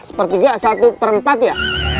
sepertiga satu terempat ya